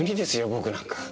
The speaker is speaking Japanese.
僕なんか。